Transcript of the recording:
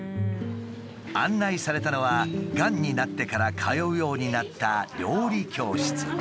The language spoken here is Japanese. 案内されたのはがんになってから通うようになった料理教室。